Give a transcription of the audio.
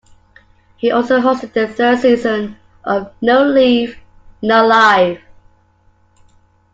He also hosted the third season of "No Leave, No Life".